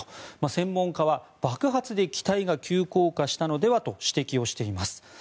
専門家は爆発で機体が急降下したのではと指摘をしています。